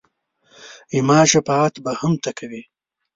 زما شفاعت به هم ته کوې !